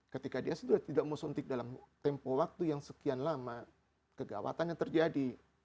ketika dia sudah tidak mau suntik dalam tempo waktu yang sekian lama kegawatannya terjadi